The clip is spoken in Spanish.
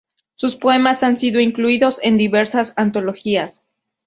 Sus poemas han sido incluidos en diversas antologías.